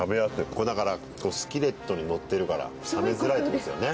これだからスキレットにのってるから冷めづらいんですよね。